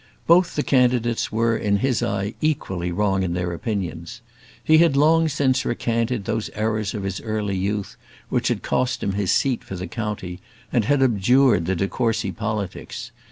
Both the candidates were in his eye equally wrong in their opinions. He had long since recanted those errors of his early youth, which had cost him his seat for the county, and had abjured the de Courcy politics.